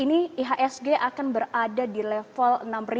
ini ihsg akan berada di level enam